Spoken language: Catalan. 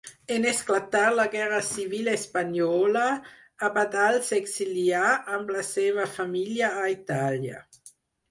En esclatar la guerra civil espanyola, Abadal s'exilià amb la seva família a Itàlia.